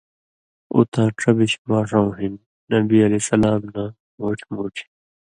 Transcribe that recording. اُوۡ تاں ڇبیۡش ماݜؤں ہِن نبیؐ نہ مُوٹھیۡ مُوٹھیۡ